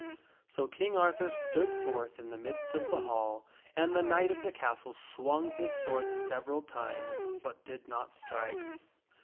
So King Arthur stood forth in the midst of the hall, and the knight of the castle swung his sword several times, but did not strike.